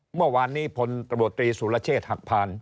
เมื่อวานนี้ผลประโบตรีสุรเชษฐ์หักพาร